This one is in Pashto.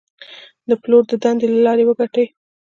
د پلور د دندې له لارې وګټئ.